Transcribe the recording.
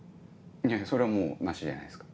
それはもうなしじゃないですか。